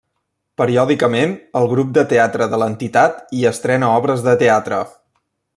Periòdicament, el grup de teatre de l'entitat hi estrena obres de teatre.